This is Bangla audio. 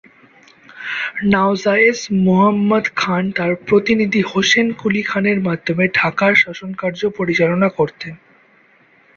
নওয়াজেশ মুহম্মদ খান তাঁর প্রতিনিধি হোসেন কুলী খানের মাধ্যমে ঢাকার শাসনকার্য পরিচালনা করতেন।